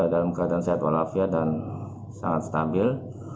dalam keadaan sehat walafiat dan sangat stabil